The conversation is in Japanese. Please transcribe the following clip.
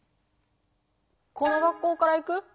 この学校から行く？